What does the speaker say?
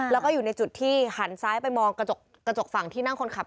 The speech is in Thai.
แล้วก็อยู่ในจุดที่หันซ้ายไปมองกระจกฝั่งที่นั่งคนขับ